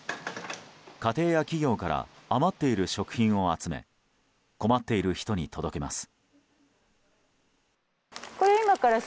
家庭や企業から余っている食品を集め困っている人に届けます。